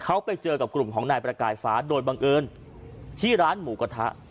เขาไปเจอกับกลุ่มของนายประกายฟ้าโดยบังเอิญที่ร้านหมูกระทะ